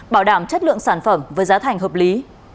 bảo đảm chất lượng sản phẩm với giá thành hợp lý